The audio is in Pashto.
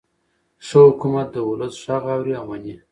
ښه حکومت د ولس غږ اوري او مني.